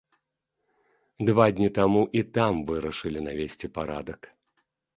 Два дні таму і там вырашылі навесці парадак.